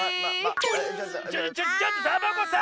ちょちょちょちょっとサボ子さん！